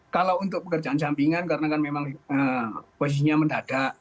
kalau untuk pekerjaan sampingan karena kan memang posisinya mendadak